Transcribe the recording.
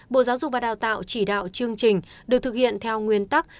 bộ giáo dục và đào tạo chỉ đạo chương trình được thực hiện theo nguyên tắc